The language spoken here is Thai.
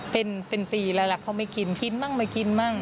เป็นปีแล้วแหละเขาไม่กินกินบ้างไม่กินบ้าง